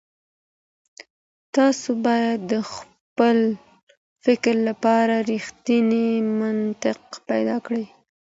تاسو بايد د خپل فکر لپاره رښتينی منطق پيدا کړئ.